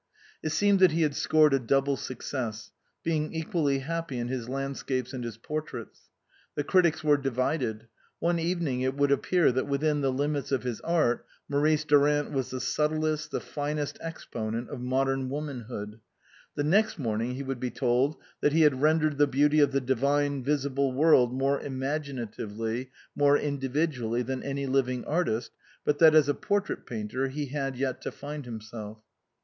It seemed that he had scored a double success, being equally happy in his landscapes and his portraits. The critics were divided. One even ing it would appear that within the limits of his art, Maurice Durant was the subtlest, the finest exponent of modern womanhood ; the next morning he would be told that he had rendered the beauty of the divine visible world more imaginatively, more individually, than any living artist, but that as a portrait painter he had yet to find himself.